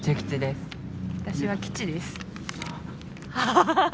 ハハハハ！